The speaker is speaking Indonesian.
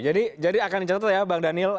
jadi akan diceritakan ya bang daniel